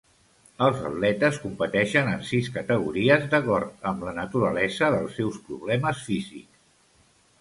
Els atletes competeixen en sis categories d'acord amb la naturalesa dels seus problemes físics.